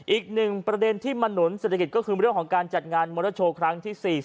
อีกหนึ่งประเด็นที่มาหนุนเศรษฐกิจก็คือเรื่องของการจัดงานมอเตอร์โชว์ครั้งที่๔๐